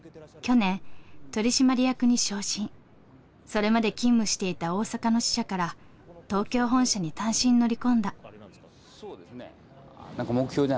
それまで勤務していた大阪の支社から東京本社に単身乗り込んだ。